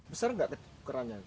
besar enggak kerahnya